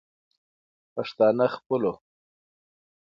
پښتانه خپلو